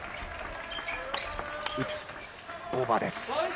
打つ、オーバーです。